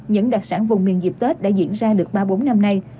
những đặc sản vùng miền dịp tết đã diễn ra được ba bốn năm nay